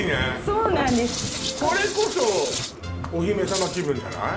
そうなんですこれこそお姫様気分じゃない？